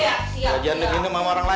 biar jangan diginum sama orang lain